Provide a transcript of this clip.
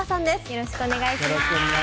よろしくお願いします。